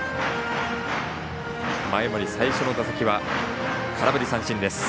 前盛、最初の打席は空振り三振。